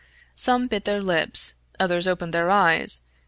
Some bit their lips; others opened their eyes.